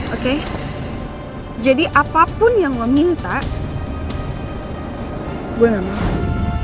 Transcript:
oke jadi apapun yang gue minta gue gak mau